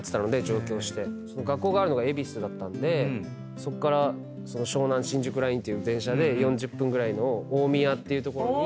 学校があるのが恵比寿だったんでそっから湘南新宿ラインっていう電車で４０分ぐらいの大宮っていう所に。